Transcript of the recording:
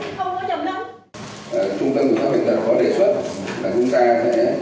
trung tâm kiểm soát bệnh tật có đề xuất là chúng ta sẽ